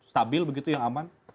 stabil begitu yang aman